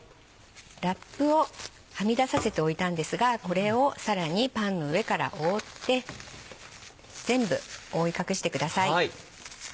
ラップをはみ出させておいたんですがこれをさらにパンの上から覆って全部覆い隠してください。